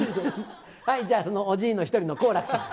じゃあ、そのおじいの１人の好楽さん。